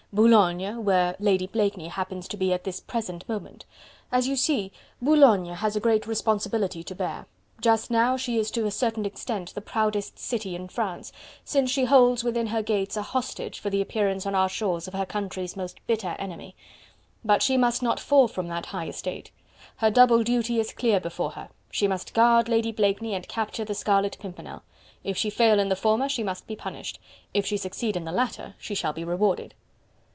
Boulogne, where Lady Blakeney happens to be at this present moment... as you see, Boulogne has a great responsibility to bear: just now she is to a certain extent the proudest city in France, since she holds within her gates a hostage for the appearance on our shores of her country's most bitter enemy. But she must not fall from that high estate. Her double duty is clear before her: she must guard Lady Blakeney and capture the Scarlet Pimpernel; if she fail in the former she must be punished, if she succeed in the latter she shall be rewarded."